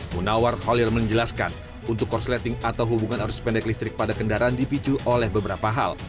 munawar khalil menjelaskan untuk korsleting atau hubungan arus pendek listrik pada kendaraan dipicu oleh beberapa hal